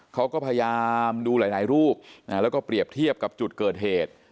เขาก็พยายามดูหลายรูปแล้วก็เปรียบเทียบกับจุดเกิดเหตุ